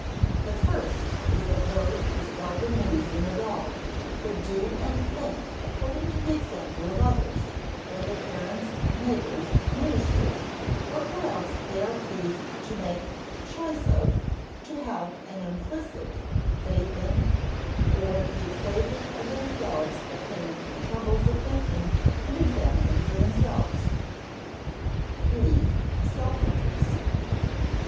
"The first is of those who seldom reason at all, but do and think according to the example of others, whether parents, neighbors, ministers, or who else they are pleased to make choice of to have an implicit faith in, for the saving of themselves the pains and troubles of thinking and examining for themselves." [Sidenote: (b) self interest,] 2.